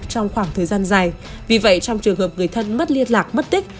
trong khoảng thời gian dài vì vậy trong trường hợp người thân mất liên lạc mất tích